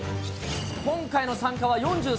今回の参加は４３校。